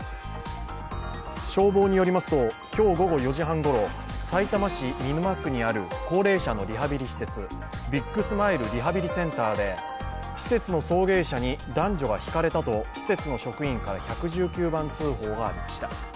消防によりますと、今日午後４時半ごろさいたま市見沼区にある高齢者のリハビリ施設ビッグスマイルリハビリセンターで施設の送迎車に男女がひかれたと施設の職員から１１９番通報がありました。